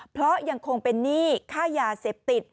เพราะยังคงเป็นหนี้ค่ายาเสพติด